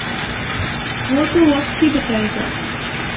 وہ تو وقت ہی بتائے گا۔